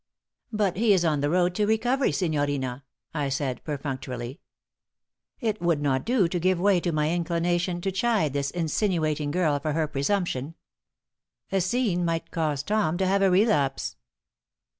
"But he is on the road to recovery, signorina," I said, perfunctorily. It would not do to give way to my inclination to chide this insinuating girl for her presumption. A scene might cause Tom to have a relapse.